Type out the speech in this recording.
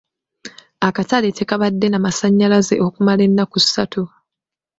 Akatale tekabadde na masanyalaze okumala ennaku ssatu.